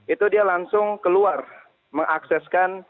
itu dia langsung keluar mengakseskan